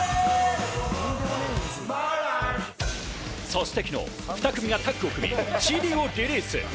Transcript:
そして昨日、２組がタッグを組み、ＣＤをリリース。